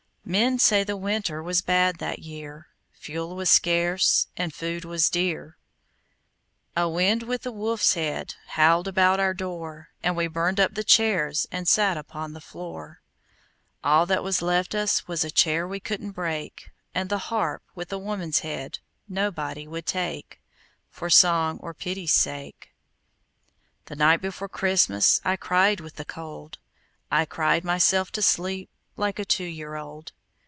Men say the winter Was bad that year; Fuel was scarce, And food was dear. A wind with a wolf's head Howled about our door, And we burned up the chairs And sat upon the floor. All that was left us Was a chair we couldn't break, And the harp with a woman's head Nobody would take, For song or pity's sake. The night before Christmas I cried with the cold, I cried myself to sleep Like a two year old.